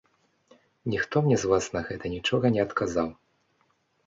Ніхто мне з вас на гэта нічога не адказаў.